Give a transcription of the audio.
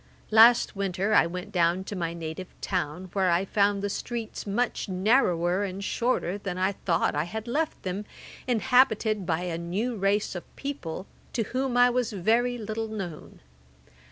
Last winter I went down to my native town, where I found the streets much narrower and shorter than I thought I had left them, inhabited by a new race of people, to whom I was very little known.